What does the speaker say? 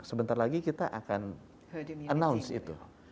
sebentar lagi kita akan announce itu